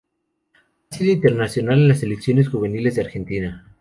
Ha sido internacional en las selecciones juveniles de Argentina.